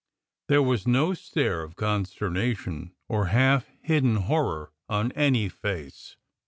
There was no stare of consternation or half hidden horror on any face.